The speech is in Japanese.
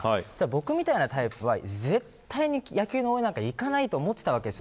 僕みたいなタイプは絶対に野球の応援なんか行かないと思っていたわけです。